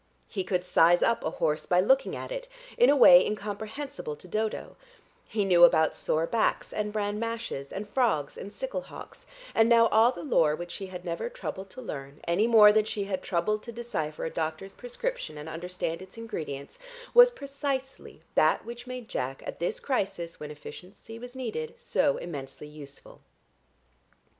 He could "size up" a horse by looking at it, in a way incomprehensible to Dodo; he knew about sore backs and bran mashes and frogs and sickle hocks, and now all the lore which she had never troubled to learn any more than she had troubled to decipher a doctor's prescription and understand its ingredients, was precisely that which made Jack, at this crisis when efficiency was needed, so immensely useful....